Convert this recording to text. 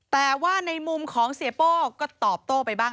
แต่ว่าในมุมของเสียโป้ก็ตอบโต้ไปบ้าง